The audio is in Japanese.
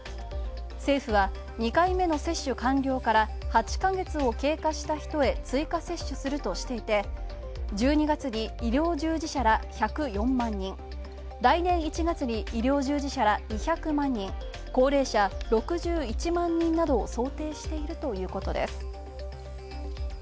政府は２回目の接種完了から８ヶ月を経過した人へ追加接種するとしていて、１２月に医療従事者ら、１０４万人、来年１月に医療従事者ら２００万人、高齢者６１万人などを想定しているということです。